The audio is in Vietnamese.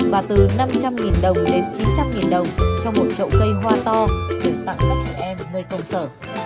và từ năm trăm linh đồng đến chín trăm linh đồng cho một chậu cây hoa to được tặng các chị em ở ngôi công sở